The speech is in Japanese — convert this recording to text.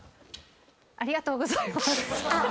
ありがとうございます。